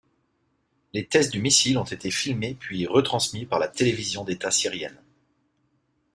Les test du missile ont été filmés puis retransmis par la télévision d'état syrienne.